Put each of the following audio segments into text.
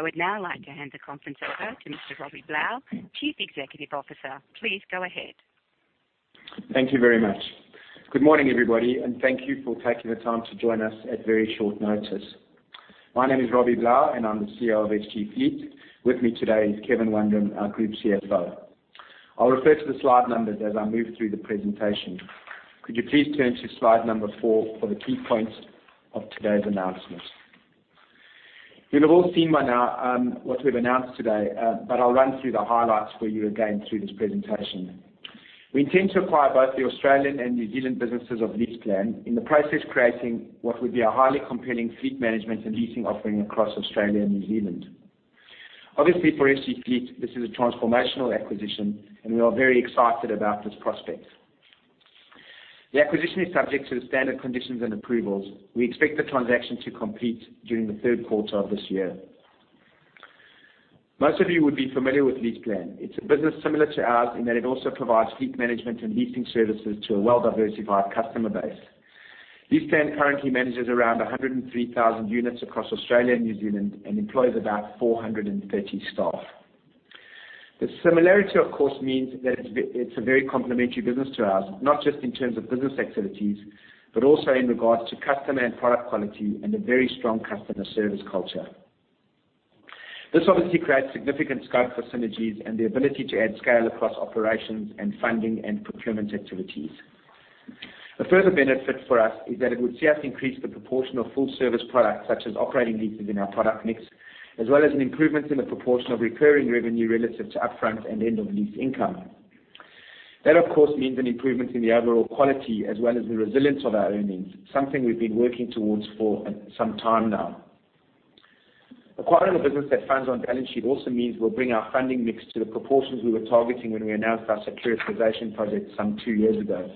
I would now like to hand the conference over to Mr. Robbie Blau, Chief Executive Officer. Please go ahead. Thank you very much. Good morning, everybody, and thank you for taking the time to join us at very short notice. My name is Robbie Blau, and I'm the CEO of SG Fleet. With me today is Kevin Wundram, our Group CFO. I'll refer to the slide numbers as I move through the presentation. Could you please turn to slide number four for the key points of today's announcement? You'll have all seen by now what we've announced today, but I'll run through the highlights for you again through this presentation. We intend to acquire both the Australian and New Zealand businesses of LeasePlan, in the process creating what would be a highly compelling fleet management and leasing offering across Australia and New Zealand. Obviously, for SG Fleet, this is a transformational acquisition, and we are very excited about this prospect. The acquisition is subject to the standard conditions and approvals. We expect the transaction to complete during the third quarter of this year. Most of you would be familiar with LeasePlan. It's a business similar to ours in that it also provides fleet management and leasing services to a well-diversified customer base. LeasePlan currently manages around 103,000 units across Australia and New Zealand and employs about 430 staff. The similarity, of course, means that it's a very complementary business to ours, not just in terms of business activities, but also in regards to customer and product quality and a very strong customer service culture. This obviously creates significant scope for synergies and the ability to add scale across operations and funding and procurement activities. A further benefit for us is that it would see us increase the proportion of full service products such as operating leases in our product mix, as well as an improvement in the proportion of recurring revenue relative to upfront and end-of-lease income. That, of course, means an improvement in the overall quality as well as the resilience of our earnings, something we've been working towards for some time now. Acquiring a business that funds on balance sheet also means we'll bring our funding mix to the proportions we were targeting when we announced our securitization project some two years ago.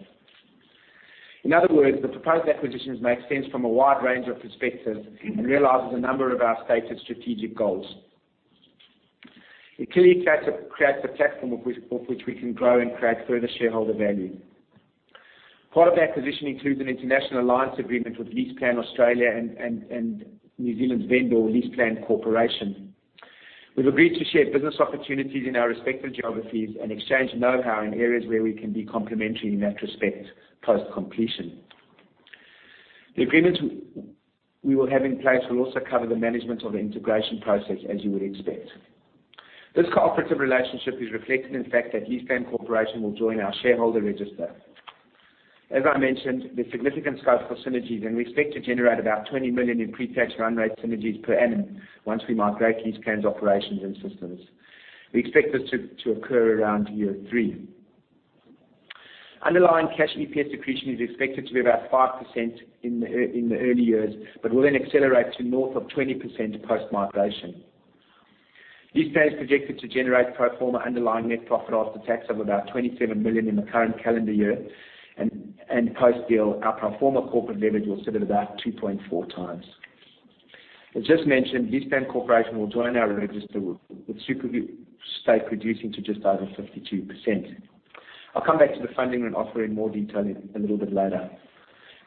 In other words, the proposed acquisitions make sense from a wide range of perspectives and realizes a number of our stated strategic goals. It clearly creates a platform off which we can grow and create further shareholder value. Part of the acquisition includes an international alliance agreement with LeasePlan Australia and New Zealand's vendor, LeasePlan Corporation. We've agreed to share business opportunities in our respective geographies and exchange know-how in areas where we can be complementary in that respect post-completion. The agreements we will have in place will also cover the management of the integration process, as you would expect. This cooperative relationship is reflected in the fact that LeasePlan Corporation will join our shareholder register. As I mentioned, there's significant scope for synergies, and we expect to generate about 20 million in pre-tax run rate synergies per annum once we migrate LeasePlan's operations and systems. We expect this to occur around year three. Underlying cash EPS accretion is expected to be about 5% in the early years, but will then accelerate to north of 20% post-migration. LeasePlan is projected to generate pro forma underlying net profit after tax of about 27 million in the current calendar year. Post-deal, our pro forma corporate leverage will sit at about 2.4x. As just mentioned, LeasePlan Corporation will join our register, with Super Group's stake reducing to just over 52%. I'll come back to the funding and offer in more detail a little bit later.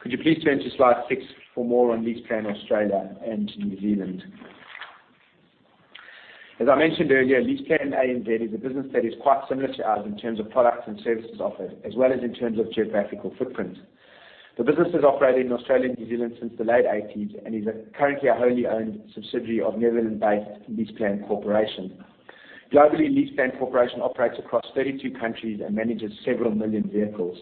Could you please turn to slide six for more on LeasePlan Australia and New Zealand? As I mentioned earlier, LeasePlan ANZ is a business that is quite similar to ours in terms of products and services offered, as well as in terms of geographical footprint. The business has operated in Australia and New Zealand since the late '80s and is currently a wholly owned subsidiary of Netherlands-based LeasePlan Corporation. Globally, LeasePlan Corporation operates across 32 countries and manages several million vehicles.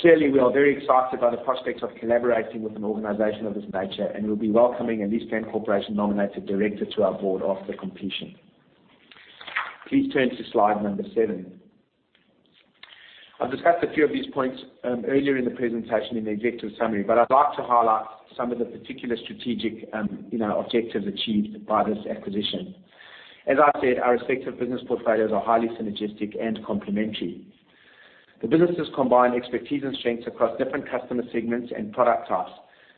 Clearly, we are very excited by the prospects of collaborating with an organization of this nature, and we'll be welcoming a LeasePlan Corporation-nominated director to our board after completion. Please turn to slide number seven. I've discussed a few of these points earlier in the presentation in the executive summary, but I'd like to highlight some of the particular strategic objectives achieved by this acquisition. As I said, our respective business portfolios are highly synergistic and complementary. The businesses combine expertise and strengths across different customer segments and product types.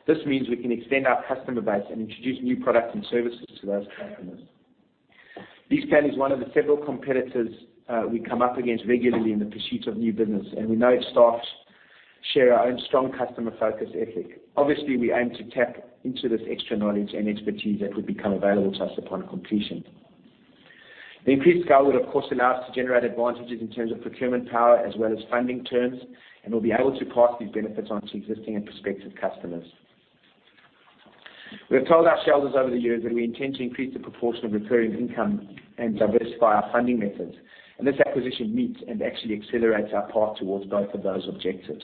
This means we can extend our customer base and introduce new products and services to those customers. LeasePlan is one of the several competitors we come up against regularly in the pursuit of new business, and we know its staff share our own strong customer-focused ethic. Obviously, we aim to tap into this extra knowledge and expertise that will become available to us upon completion. The increased scale would, of course, allow us to generate advantages in terms of procurement power as well as funding terms, and we'll be able to pass these benefits on to existing and prospective customers. We have told our shareholders over the years that we intend to increase the proportion of recurring income and diversify our funding methods, and this acquisition meets and actually accelerates our path towards both of those objectives.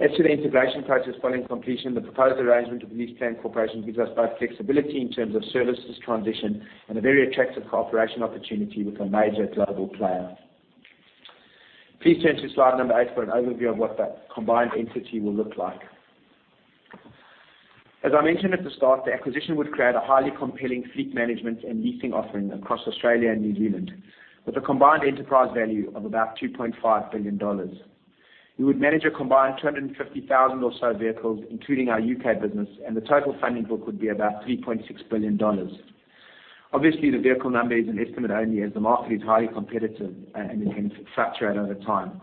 As to the integration process following completion, the proposed arrangement with LeasePlan Corporation gives us both flexibility in terms of services transition and a very attractive cooperation opportunity with a major global player. Please turn to slide number eight for an overview of what the combined entity will look like. As I mentioned at the start, the acquisition would create a highly compelling fleet management and leasing offering across Australia and New Zealand with a combined enterprise value of about 2.5 billion dollars. We would manage a combined 250,000 or so vehicles, including our U.K. business, and the total funding book would be about 3.6 billion dollars. Obviously, the vehicle number is an estimate only as the market is highly competitive and it can fluctuate over time.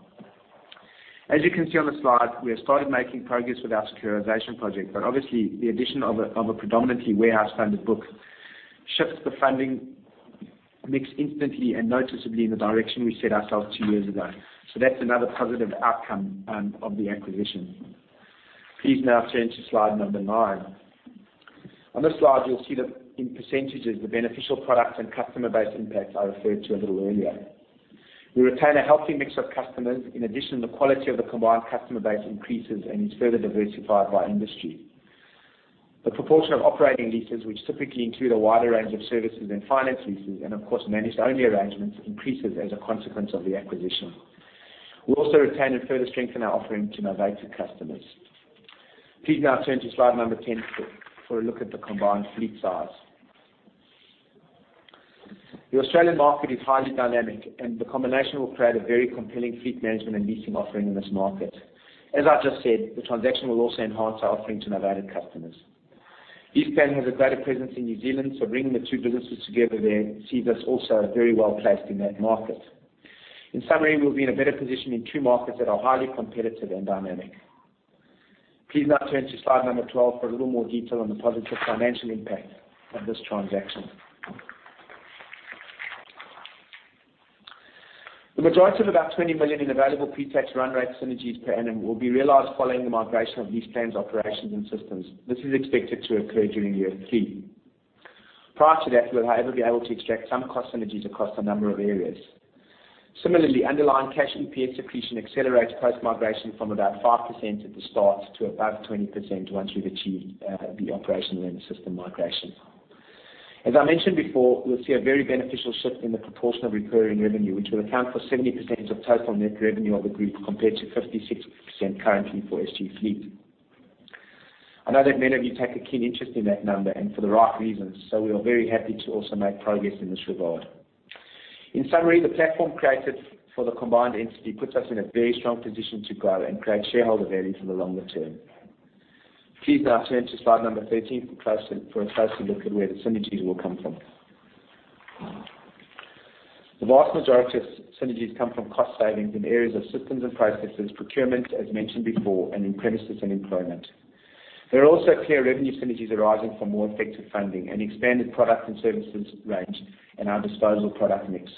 As you can see on the slide, we have started making progress with our securitization project. Obviously, the addition of a predominantly warehouse-funded book shifts the funding mix instantly and noticeably in the direction we set ourselves two years ago. That's another positive outcome of the acquisition. Please now turn to slide number nine. On this slide, you'll see in percentage the beneficial products and customer base impacts I referred to a little earlier. We retain a healthy mix of customers. In addition, the quality of the combined customer base increases and is further diversified by industry. The proportion of operating leases, which typically include a wider range of services than finance leases and of course managed-only arrangements, increases as a consequence of the acquisition. We also retain and further strengthen our offering to Novated customers. Please now turn to slide number 10 for a look at the combined fleet size. The Australian market is highly dynamic, and the combination will create a very compelling fleet management and leasing offering in this market. As I just said, the transaction will also enhance our offering to Novated customers. LeasePlan has a greater presence in New Zealand, so bringing the two businesses together there sees us also very well-placed in that market. In summary, we'll be in a better position in two markets that are highly competitive and dynamic. Please now turn to slide number 12 for a little more detail on the positive financial impact of this transaction. The majority of about 20 million in available pre-tax run rate synergies per annum will be realized following the migration of LeasePlan's operations and systems. This is expected to occur during year three. Prior to that, we'll, however, be able to extract some cost synergies across a number of areas. Similarly, underlying cash EPS accretion accelerates post-migration from about 5% at the start to above 20% once we've achieved the operational and system migration. As I mentioned before, we'll see a very beneficial shift in the proportion of recurring revenue, which will account for 70% of total net revenue of the group, compared to 56% currently for SG Fleet. I know that many of you take a keen interest in that number and for the right reasons, so we are very happy to also make progress in this regard. In summary, the platform created for the combined entity puts us in a very strong position to grow and create shareholder value for the longer term. Please now turn to slide number 13 for a closer look at where the synergies will come from. The vast majority of synergies come from cost savings in areas of systems and processes, procurement, as mentioned before, and in premises and employment. There are also clear revenue synergies arising from more effective funding, an expanded product and services range, and our disposal product mix.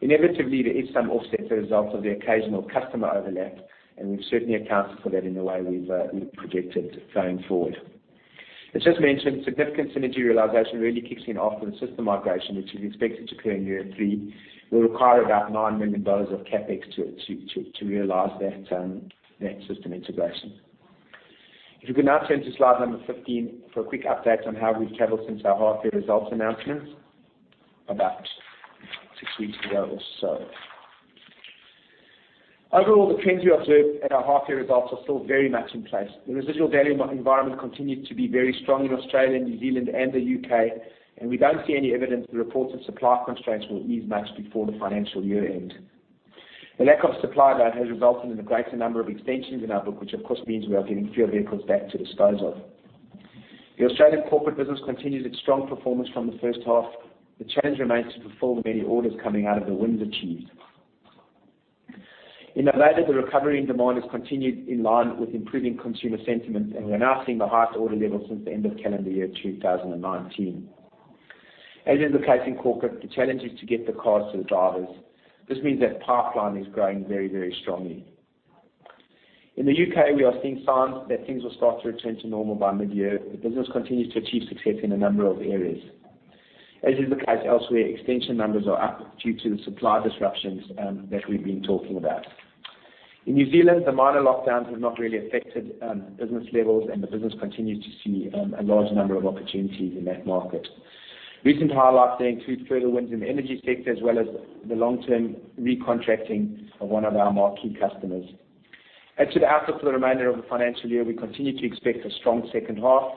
Inevitably, there is some offset as a result of the occasional customer overlap, and we've certainly accounted for that in the way we've projected going forward. As just mentioned, significant synergy realization really kicks in after the system migration, which is expected to occur in year three, will require about 9 million dollars of CapEx to realize that net system integration. If you could now turn to slide number 15 for a quick update on how we've traveled since our half year results announcement about six weeks ago or so. Overall, the trends we observed at our half year results are still very much in place. The residual value environment continues to be very strong in Australia, New Zealand, and the U.K., and we don't see any evidence the reports of supply constraints will ease much before the financial year end. The lack of supply, though, has resulted in a greater number of extensions in our book, which of course means we are getting fewer vehicles back to dispose of. The Australian corporate business continues its strong performance from the first half. The challenge remains to fulfill the many orders coming out of the wins achieved. In Novated, the recovery and demand has continued in line with improving consumer sentiment, and we are now seeing the highest order level since the end of calendar year 2019. As is the case in corporate, the challenge is to get the cars to the drivers. This means that pipeline is growing very, very strongly. In the U.K., we are seeing signs that things will start to return to normal by mid-year. The business continues to achieve success in a number of areas. As is the case elsewhere, extension numbers are up due to the supply disruptions that we've been talking about. In New Zealand, the minor lockdowns have not really affected business levels, and the business continues to see a large number of opportunities in that market. Recent highlights there include further wins in the energy sector as well as the long-term recontracting of one of our marquee customers. As to the outlook for the remainder of the financial year, we continue to expect a strong second half.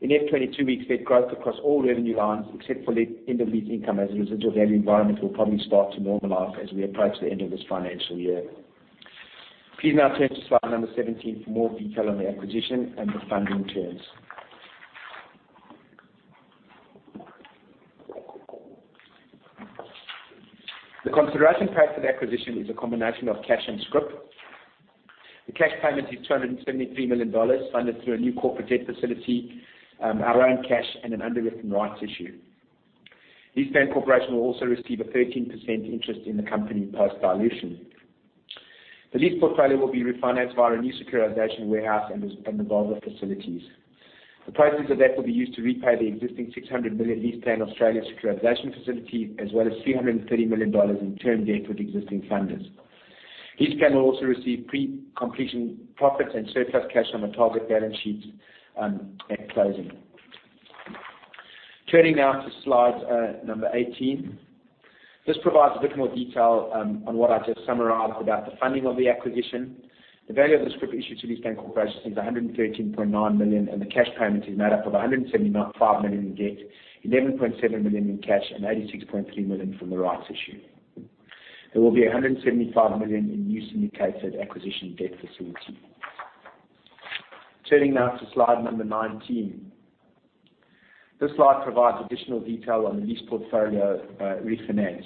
In F22, we expect growth across all revenue lines except for end-of-lease income as the residual value environment will probably start to normalize as we approach the end of this financial year. Please now turn to slide number 17 for more detail on the acquisition and the funding terms. The consideration price for the acquisition is a combination of cash and scrip. The cash payment is 273 million dollars funded through a new corporate debt facility, our own cash, and an underwritten rights issue. LeasePlan Corporation will also receive a 13% interest in the company post-dilution. The lease portfolio will be refinanced via a new securitization warehouse and the revolving facilities. The proceeds of that will be used to repay the existing 600 million LeasePlan Australia securitization facility, as well as 330 million dollars in term debt with existing funders. LeasePlan will also receive pre-completion profits and surplus cash on the target balance sheet at closing. Turning now to slide number 18. This provides a bit more detail on what I just summarized about the funding of the acquisition. The value of the scrip issued to LeasePlan Corporation is 113.9 million. The cash payment is made up of 175 million in debt, 11.7 million in cash, and 86.3 million from the rights issue. There will be 175 million in new syndicated acquisition debt facility. Turning now to slide number 19. This slide provides additional detail on the lease portfolio refinance.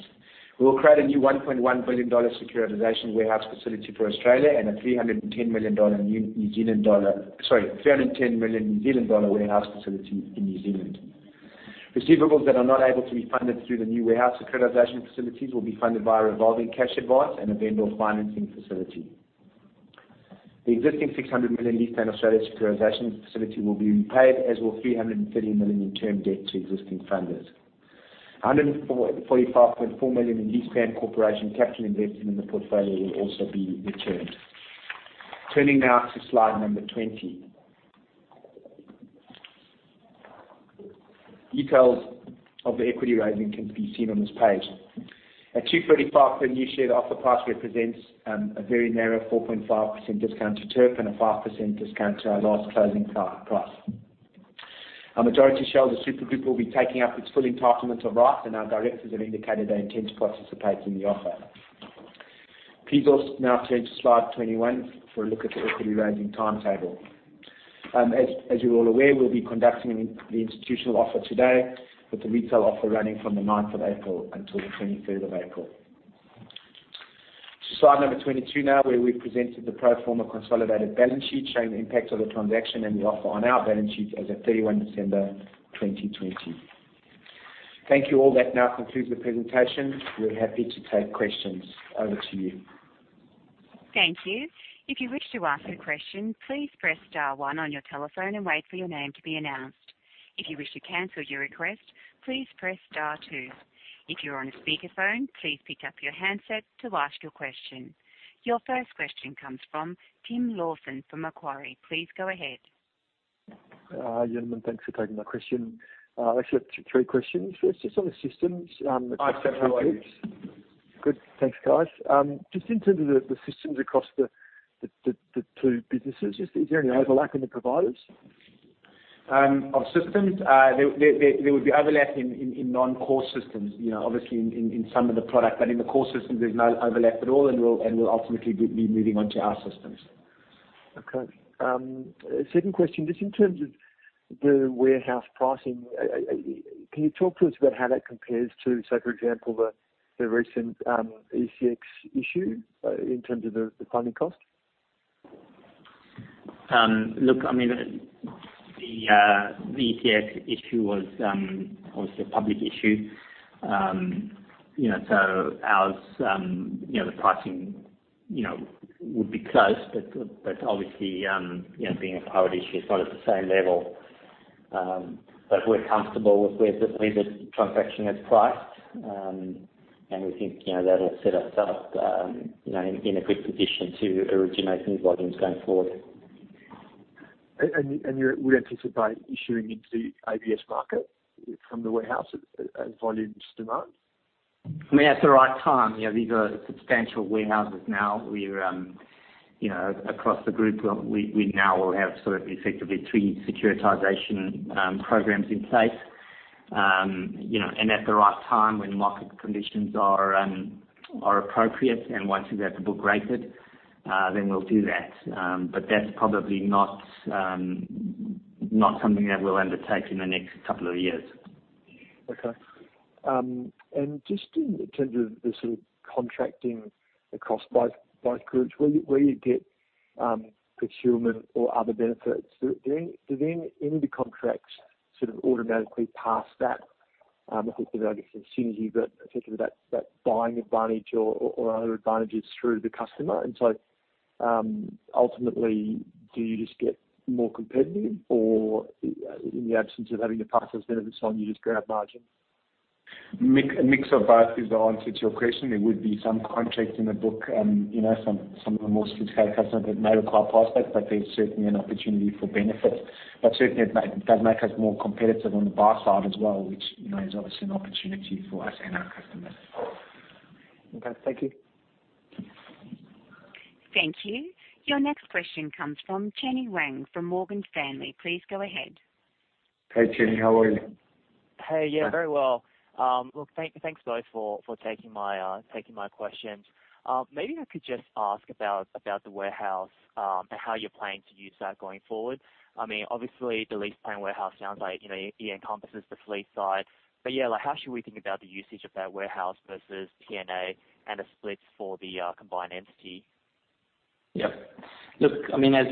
We will create a new 1.1 billion dollar securitization warehouse facility for Australia and a 310 million New Zealand dollar warehouse facility in New Zealand. Receivables that are not able to be funded through the new warehouse securitization facilities will be funded via revolving cash advance and a vendor financing facility. The existing 600 million LeasePlan Australia securitization facility will be repaid, as will 330 million in term debt to existing funders. 145.4 million in LeasePlan Corporation capital invested in the portfolio will also be returned. Turning now to slide number 20. Details of the equity raising can be seen on this page. At 2.35 per new share, the offer price represents a very narrow 4.5% discount to TERP and a 5% discount to our last closing price. Our majority shareholder, Super Group, will be taking up its full entitlement of rights. Our directors have indicated they intend to participate in the offer. Please now turn to slide 21 for a look at the equity raising timetable. As you're all aware, we'll be conducting the institutional offer today, with the retail offer running from the 9th of April until the 23rd of April. Slide number 22 now, where we presented the pro forma consolidated balance sheet showing the impact of the transaction and the offer on our balance sheets as at 31 December 2020. Thank you, all. That now concludes the presentation. We're happy to take questions. Over to you. Thankyou. If you wish to ask a question, please press star one on your telephone and wait for your name to be announced. If you wish to cancel your request, please press star two. If you are on a speaker phone, please pick up your headset to ask your question. Your first question comes from Tim Lawson from Macquarie. Please go ahead. Hi, gentlemen. Thanks for taking my question. Actually, I have three questions. Just on the systems- Hi, Tim. How are you? Good. Thanks, guys. Just in terms of the systems across the two businesses, is there any overlap in the providers? Of systems? There would be overlap in non-core systems, obviously in some of the product. In the core systems, there's no overlap at all, and we'll ultimately be moving onto our systems. Second question, just in terms of the warehouse pricing, can you talk to us about how that compares to, for example, the recent ECX issue in terms of the funding cost? Look, the ECX issue was obviously a public issue. Ours, the pricing would be close, but obviously, being a private issue, it's not at the same level. We're comfortable with where the transaction is priced. We think that'll set us up in a good position to originate new volumes going forward. You would anticipate issuing into the ABS market from the warehouse as volumes demand? At the right time. These are substantial warehouses now. Across the group, we now will have effectively three securitization programs in place. At the right time, when market conditions are appropriate, once we have the book rated, we'll do that. That's probably not something that we'll undertake in the next couple of years. Okay. Just in terms of the sort of contracting across both groups, where you get procurement or other benefits, do any of the contracts sort of automatically pass that, I guess the synergy, but particularly that buying advantage or other advantages through to the customer? Ultimately, do you just get more competitive or in the absence of having to pass those benefits on, you just grab margin? A mix of both is the answer to your question. There would be some contracts in the book, some of the more strategic customers that may require passbacks. There's certainly an opportunity for benefits. Certainly, it does make us more competitive on the buy side as well, which is obviously an opportunity for us and our customers. Okay. Thank you. Thank you. Your next question comes from Chenny Wang from Morgan Stanley. Please go ahead. Hey, Chenny. How are you? Hey. Yeah, very well. Look, thanks both for taking my questions. Maybe I could just ask about the warehouse and how you're planning to use that going forward. Obviously, the LeasePlan warehouse sounds like it encompasses the fleet side. Yeah, how should we think about the usage of that warehouse versus P&A and a split for the combined entity? Yeah. Look, as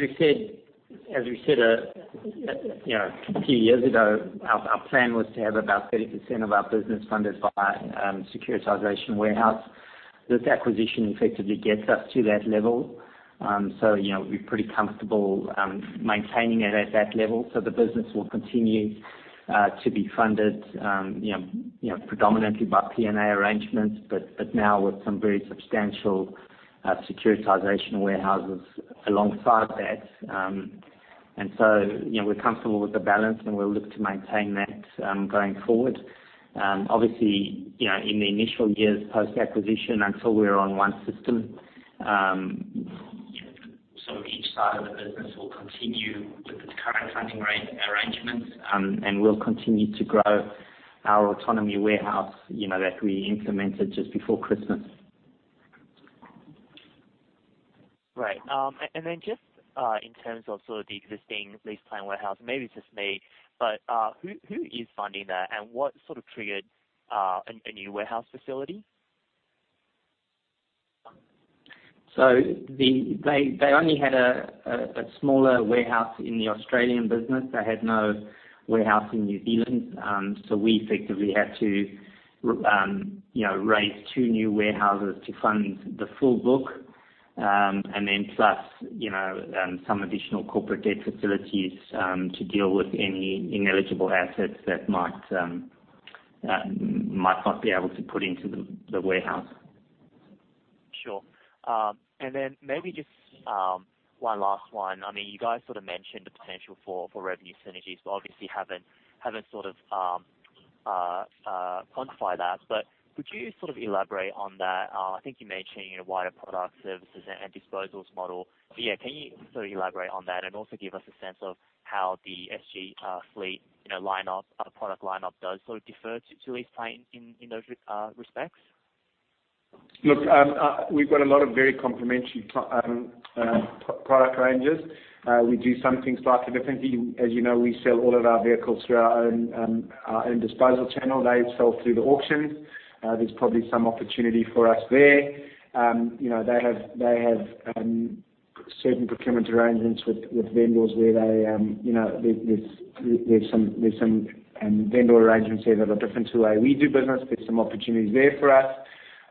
we said a few years ago, our plan was to have about 30% of our business funded via securitization warehouse. This acquisition effectively gets us to that level. We're pretty comfortable maintaining it at that level. The business will continue to be funded predominantly by P&A arrangements, but now with some very substantial securitization warehouses alongside that. We're comfortable with the balance, and we'll look to maintain that going forward. Obviously, in the initial years post-acquisition, until we're on one system, each side of the business will continue with its current funding arrangements. We'll continue to grow our Autonomy warehouse that we implemented just before Christmas. Right. Then just in terms of sort of the existing LeasePlan warehouse, maybe it's just me, but who is funding that and what sort of triggered a new warehouse facility? They only had a smaller warehouse in the Australian business. They had no warehouse in New Zealand. We effectively had to raise two new warehouses to fund the full book. Plus some additional corporate debt facilities to deal with any ineligible assets that might not be able to put into the warehouse. Sure. Maybe just one last one. You guys sort of mentioned the potential for revenue synergies, but obviously haven't sort of quantified that. Could you elaborate on that? I think you mentioned in your wider product, services, and disposals model. Can you sort of elaborate on that and also give us a sense of how the SG Fleet product lineup does sort of differ to LeasePlan in those respects? Look, we've got a lot of very complementary product ranges. We do some things slightly differently. As you know, we sell all of our vehicles through our own disposal channel. They sell through the auctions. There's probably some opportunity for us there. They have certain procurement arrangements with vendors where there's some vendor arrangements there that are different to the way we do business. There's some opportunities there for us.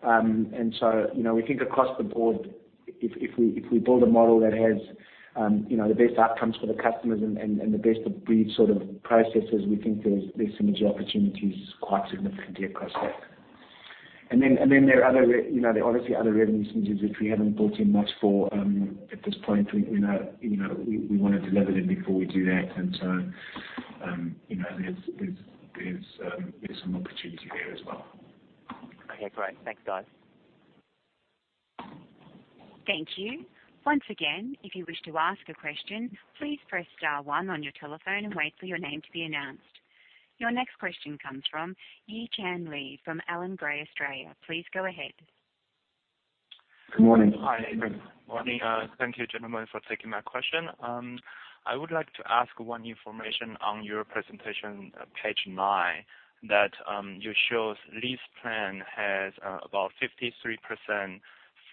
We think across the board, if we build a model that has the best outcomes for the customers and the best breed sort of processes, we think there's synergy opportunities quite significantly across that. There are obviously other revenue synergies which we haven't built in much for at this point. We want to deliver them before we do that. There's some opportunity there as well. Okay, great. Thanks, guys. Thank you. Once again, if you wish to ask a question, please press star one on your telephone and wait for your name to be announced. Your next question comes from Yi-Chan Lee from Allan Gray Australia. Please go ahead. Good morning. Hi, good morning. Thank you, gentlemen, for taking my question. I would like to ask one information on your presentation, page nine, that you show LeasePlan has about 53%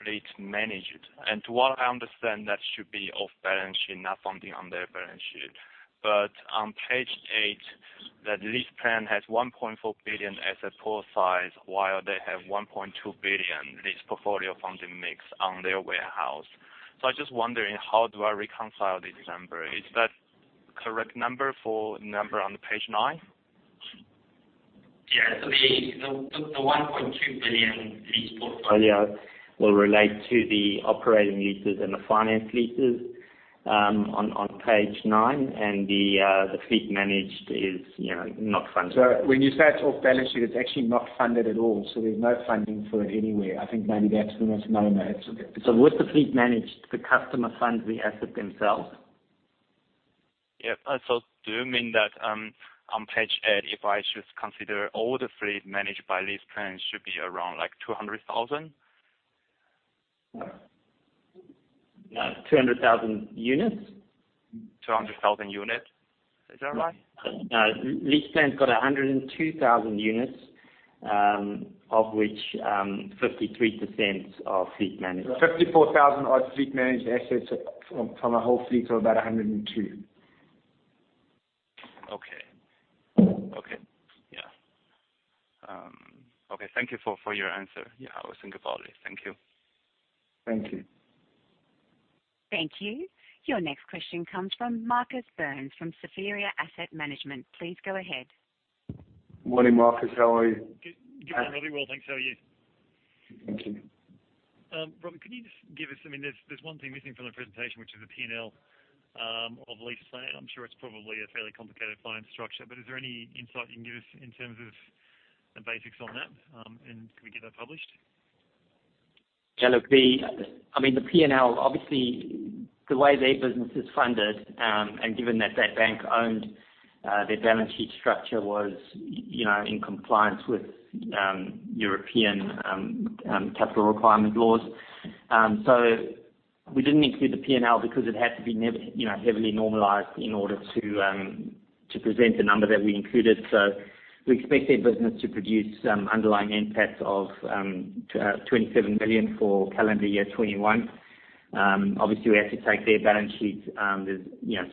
fleet managed. To what I understand, that should be off balance sheet, not funding on their balance sheet. On page eight, that LeasePlan has 1.4 billion asset pool size, while they have 1.2 billion lease portfolio funding mix on their warehouse. I'm just wondering, how do I reconcile this number? Is that correct number for number on page nine? The 1.2 billion lease portfolio will relate to the operating leases and the finance leases, on page nine. The fleet managed is not funded. When you say it's off balance sheet, it's actually not funded at all. There's no funding for it anywhere. I think maybe that's the misnomer. With the fleet managed, the customer funds the asset themselves. Yep. Do you mean that, on page eight, if I should consider all the fleet managed by LeasePlan should be around 200,000? 200,000 units? 200,000 units. Is that right? No. LeasePlan's got 102,000 units, of which 53% are fleet managed. 54,000 odd fleet managed assets from a whole fleet of about 102. Okay. Yeah. Okay. Thank you for your answer. Yeah, I will think about it. Thank you. Thank you. Thank you. Your next question comes from Marcus Burns from Spheria Asset Management. Please go ahead. Morning, Marcus. How are you? Good. I'm really well, thanks. How are you? Thank you. Robbie, can you just give us, there's one thing missing from the presentation, which is the P&L of LeasePlan. I'm sure it's probably a fairly complicated finance structure, but is there any insight you can give us in terms of the basics on that? Can we get that published? Yeah, look, the P&L, obviously, the way their business is funded, and given that they're bank-owned, their balance sheet structure was in compliance with European capital requirement laws. We didn't include the P&L because it had to be heavily normalized in order to present the number that we included. We expect their business to produce some underlying NPAT of 27 million for calendar year 2021. Obviously, we have to take their balance sheets. There's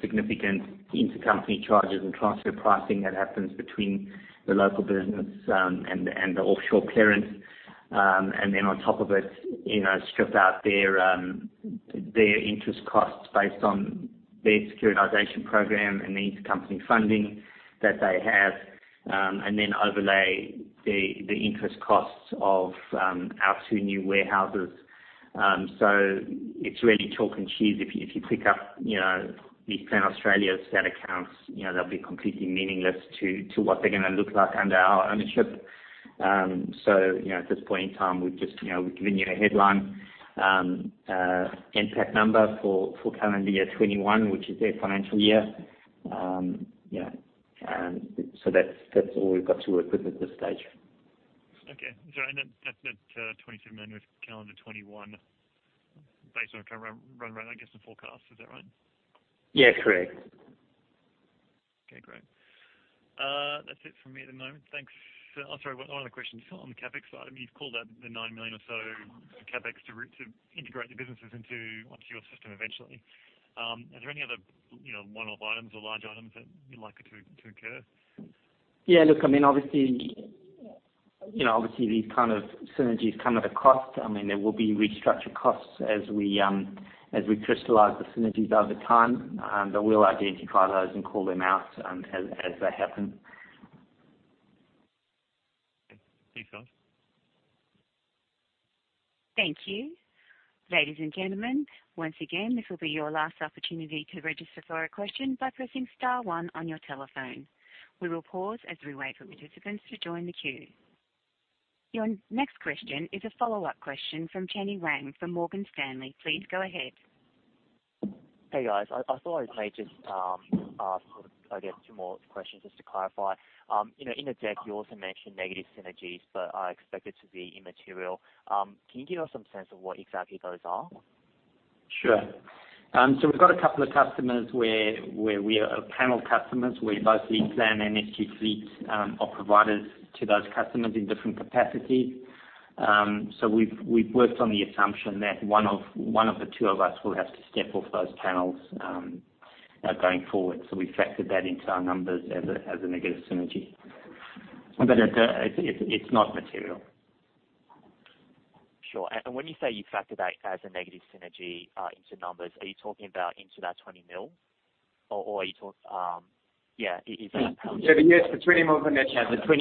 significant intercompany charges and transfer pricing that happens between the local business and the offshore parents. On top of it, strip out their interest costs based on their securitization program and the intercompany funding that they have, and then overlay the interest costs of our two new warehouses. It's really chalk and cheese. If you pick up LeasePlan Australia's set of accounts, they'll be completely meaningless to what they're going to look like under our ownership. At this point in time, we're giving you a headline NPAT number for calendar year 2021, which is their financial year. That's all we've got to work with at this stage. Okay. Sorry, that 27 million with calendar 2021 based on current run rate, I guess, and forecast, is that right? Yeah, correct. Okay, great. That's it from me at the moment. Thanks. Sorry, one other question. On the CapEx side, you've called out the 9 million or so CapEx to integrate the businesses into, obviously, your system eventually. Are there any other one-off items or large items that you'd like to occur? Yeah, look, obviously, these kinds of synergies come at a cost. There will be restructure costs as we crystallize the synergies over time. We'll identify those and call them out as they happen. Okay. Thanks, guys. Thank you. Ladies and gentlemen, once again, this will be your last opportunity to register for a question by pressing star one on your telephone. We will pause as we wait for participants to join the queue. Your next question is a follow-up question from Chenny Wang from Morgan Stanley. Please go ahead. Hey, guys. I thought I may just ask, I guess, two more questions just to clarify. In the deck, you also mentioned negative synergies but are expected to be immaterial. Can you give us some sense of what exactly those are? Sure. We've got a couple of customers where we are panel customers, where both LeasePlan and SG Fleet are providers to those customers in different capacities. We've worked on the assumption that one of the two of us will have to step off those panels going forward. We've factored that into our numbers as a negative synergy. It's not material. Sure. When you say you factored that as a negative synergy into numbers, are you talking about into that 20 million? Or are you talking Yeah, is that? Yes, the 20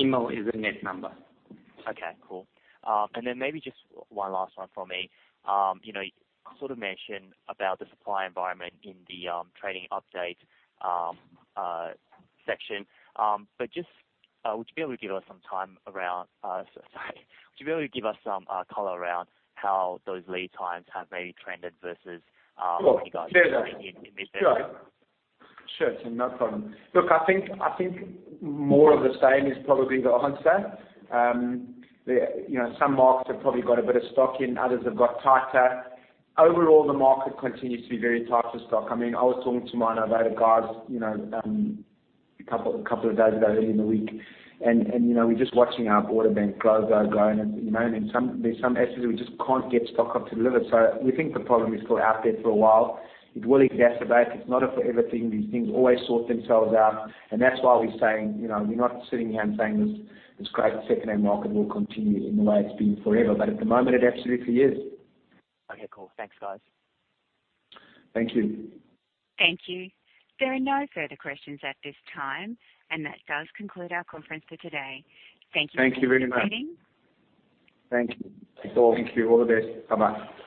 million is the net number. Okay, cool. Maybe just one last one from me. You sort of mentioned about the supply environment in the trading update section. Would you be able to give us some color around how those lead times have maybe trended versus- Sure when you guys were predicting in mid-February? Sure. No problem. Look, I think more of the same is probably the honest answer. Some markets have probably got a bit of stock in, others have got tighter. Overall, the market continues to be very tight for stock. I was talking to one of our other guys a couple of days ago, early in the week, and we're just watching our order bank grow and grow and there's some OEMs we just can't get stock of to deliver. We think the problem is still out there for a while. It will exacerbate. It's not a forever thing. These things always sort themselves out, and that's why we're saying, we're not sitting here and saying, "This crazy secondary market will continue in the way it's been forever." At the moment, it absolutely is. Okay, cool. Thanks, guys. Thank you. Thank you. There are no further questions at this time. That does conclude our conference for today. Thank you. Thank you very much. Thank you. Thank you. All the best. Bye-bye.